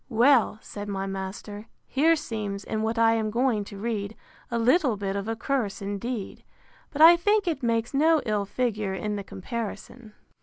Well, said my master, here seems, in what I am going to read, a little bit of a curse indeed, but I think it makes no ill figure in the comparison.